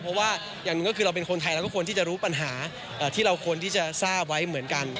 เพราะว่าอย่างหนึ่งก็คือเราเป็นคนไทยเราก็ควรที่จะรู้ปัญหาที่เราควรที่จะทราบไว้เหมือนกัน